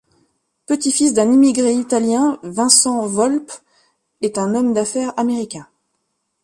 Petit fils d'un immigré italien, Vincent Volpe est un homme d'affaires américain.